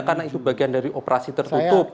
karena itu bagian dari operasi tertutup